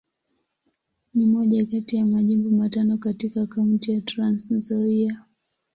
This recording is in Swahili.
Ni moja kati ya Majimbo matano katika Kaunti ya Trans-Nzoia.